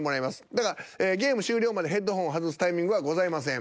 だからゲーム終了までヘッドホンを外すタイミングはございません。